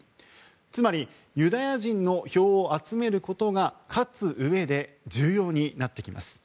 つまりユダヤ人の票を集めることが勝つうえで重要になってきます。